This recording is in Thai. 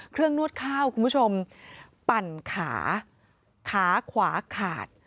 นวดข้าวคุณผู้ชมปั่นขาขาขวาขาด